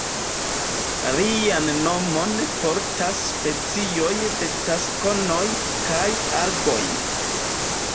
Lian nomon portas specioj de Taksonoj kaj Algoj.